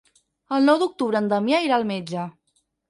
El nou d'octubre en Damià irà al metge.